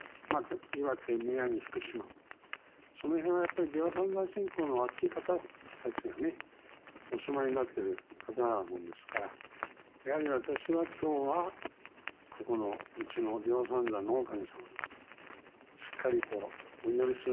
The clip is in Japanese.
その辺はやっぱり出羽三山信仰のあつい方たちがねお住まいになってる方なものですからやはり私は今日はここのうちの出羽三山の大神様にしっかりとお祈りする。